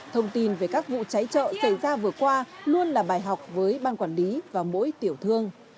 thông tin về các vụ cháy chợ xảy ra vừa qua luôn là bài học với ban quản lý và mỗi tiểu thương